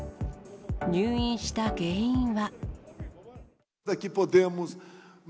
入院した原因は。